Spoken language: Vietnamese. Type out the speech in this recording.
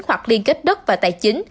hoặc liên kết đất và tài chính